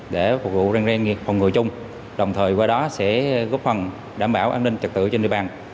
để phục vụ rèn rèn phòng ngừa chung đồng thời qua đó sẽ góp phần đảm bảo an ninh trật tự trên địa bàn